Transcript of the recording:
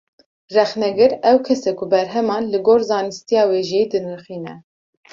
Rexnegir, ew kes e ku berheman, li gor zanistiya wêjeyî dinirxîne